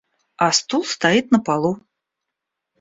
А стул стоит на полу.